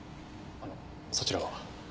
あのそちらは？